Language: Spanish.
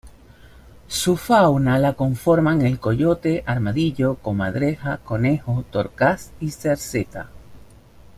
Su fauna la conforman el coyote, armadillo, comadreja, conejo, torcaz y cerceta.